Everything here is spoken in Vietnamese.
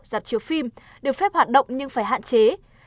giảm chiều phim đều phép hoạt động nhưng phải hạn chế